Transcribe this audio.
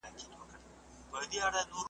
هر موسم یې ګل سرخ کې هر خزان ورته بهار کې `